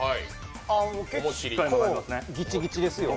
ああ、もう結構ギチギチですよ？